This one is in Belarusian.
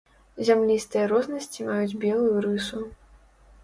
Зямлістыя рознасці маюць белую рысу.